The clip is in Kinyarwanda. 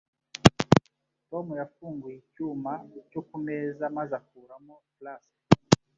Tom yafunguye icyuma cyo kumeza maze akuramo flask.